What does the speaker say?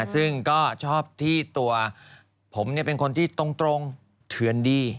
ซึ่งก็ชอบที่ตัวผมเป็นคนที่ตรงเถื่อนดี